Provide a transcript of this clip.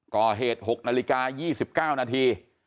ก่อเหตุ๖นาฬิกา๒๙นาที